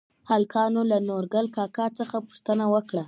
هلکانو له نورګل کاکا څخه پوښتنه وکړه؟